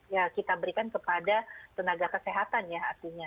ya kita berikan kepada tenaga kesehatan ya artinya